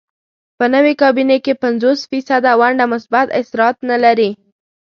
په نوې کابینې کې پنځوس فیصده ونډه مثبت اثرات نه لري.